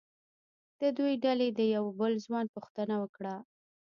د دوی د ډلې د یوه بل ځوان پوښتنه وکړه.